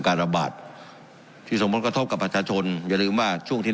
การระบาดที่ส่งผลกระทบกับประชาชนอย่าลืมว่าช่วงที่